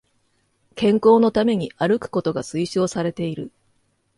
健康のために歩くことが推奨されている